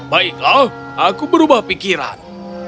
baiklah aku berubah pikiran